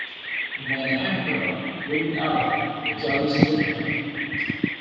When the emperor greeted Alec, the judges took note.